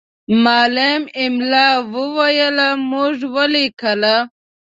معلم املا وویله، موږ ولیکله.